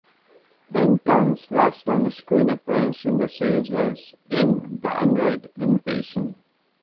Benton's last on-screen appearance in the series was in "The Android Invasion".